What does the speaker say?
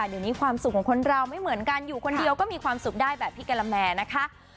เดี๋ยวนี้ความสุขของคนเราไม่เหมือนกันอยู่คนเดียวก็มีความสุขได้แบบพี่กะละแมนะคะ